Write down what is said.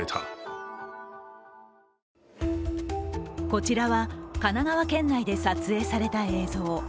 こちらは神奈川県内で撮影された映像。